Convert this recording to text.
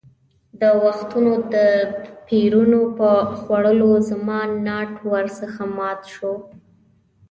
د وختونو د پېرونو په خوړلو زما ناټ ور څخه مات شو.